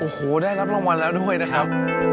โอ้โหได้รับรางวัลแล้วด้วยนะครับ